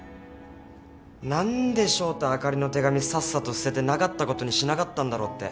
「何で翔太あかりの手紙さっさと捨ててなかったことにしなかったんだろう？」